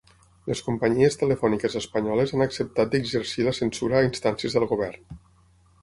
Les companyies telefòniques espanyoles han acceptat d’exercir la censura a instàncies del govern.